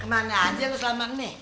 kemana aja aku selama ini